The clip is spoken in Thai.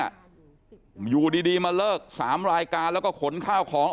อยู่ดีดีมาเลิกสามรายการแล้วก็ขนข้าวของ